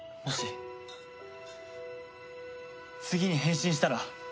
もし次に変身したら？